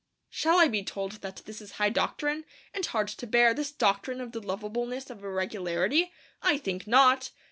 Shall I be told that this is high doctrine, and hard to bear, this doctrine of the lovableness of irregularity? I think not.